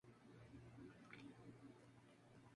Las playas son lugares abiertos al mar.